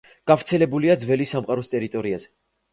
გავრცელებულია ძველი სამყაროს ტერიტორიაზე.